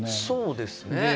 そうですね。